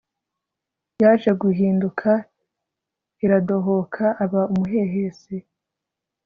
yaje guhinduka iradohoka aba umuhehesi